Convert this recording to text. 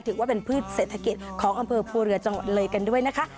ถือว่าเป็นพืชเศรษฐกิจของอำเภอภูเรือจังหวัดเลยกันด้วยนะคะ